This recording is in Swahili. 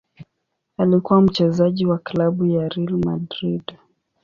Alikuwa mchezaji wa klabu ya Real Madrid.